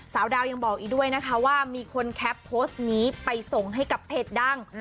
สาวดาวยังบอกอีกด้วยนะคะว่ามีคนแคปโพสต์นี้ไปส่งให้กับเพจดัง